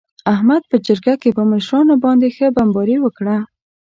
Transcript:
احمد په جرگه کې په مشرانو باندې ښه بمباري وکړه.